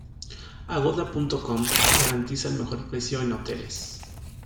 Agoda.com garantiza el mejor precio en hoteles.